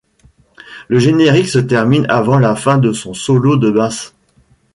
Le générique se termine avant la fin de son solo de basse.